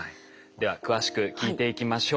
では詳しく聞いていきましょう。